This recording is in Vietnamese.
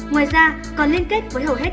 ngoài ra còn liên kết với hầu hết